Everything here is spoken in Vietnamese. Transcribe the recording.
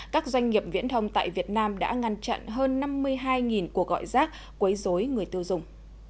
các doanh nghiệp viễn thông tại việt nam đã ngăn chặn hơn năm mươi hai cuộc gọi rác quấy dối người tiêu dùng